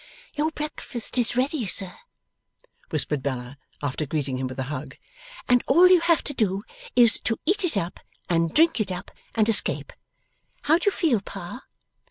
'Your breakfast is ready, sir,' whispered Bella, after greeting him with a hug, 'and all you have to do, is, to eat it up and drink it up, and escape. How do you feel, Pa?